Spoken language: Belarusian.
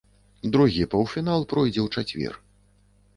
Другі паўфінал пройдзе ў чацвер.